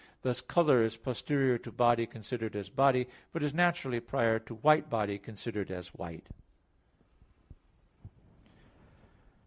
Thus color is posterior to body considered as body, but is naturally prior to "white body," considered as white.